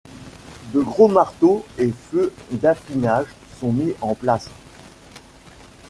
De gros marteaux et feux d'affinage sont mis en place.